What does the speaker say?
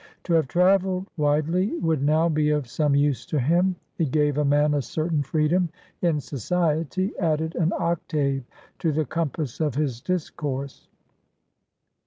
To have travelled widely would now be of some use to him; it gave a man a certain freedom in society, added an octave to the compass of his discourse.